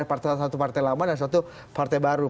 satu partai lama dan satu partai baru